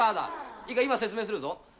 いいか、今説明するぞ。